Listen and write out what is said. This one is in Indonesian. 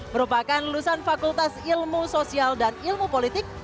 merupakan lulusan fakultas ilmu sosial dan ilmu politik